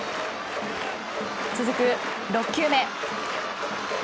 続く６球目。